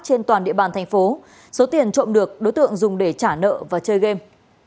trên toàn địa bàn thành phố số tiền trộm được đối tượng dùng để trả nợ và chơi game